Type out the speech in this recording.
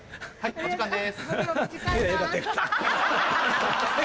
お時間です。